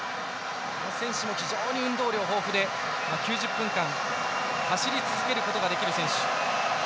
この選手も非常に運動量豊富で９０分間走り続けることができる選手。